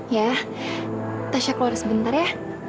iya ya tasha keluar sebentar ya